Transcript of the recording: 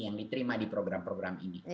yang diterima di program program ini